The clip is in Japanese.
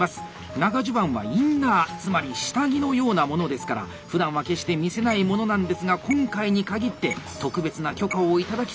長襦袢はインナーつまり下着のようなものですからふだんは決して見せないものなんですが今回に限って特別な許可を頂き撮影しております！